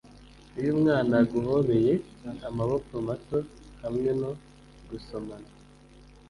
iyo umwana aguhobeye amaboko mato, hamwe no gusomana